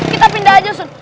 kita pindah aja sun